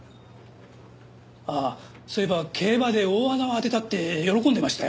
あっそういえば競馬で大穴を当てたって喜んでましたよ。